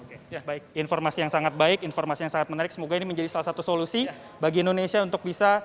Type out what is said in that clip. oke baik informasi yang sangat baik informasi yang sangat menarik semoga ini menjadi salah satu solusi bagi indonesia untuk bisa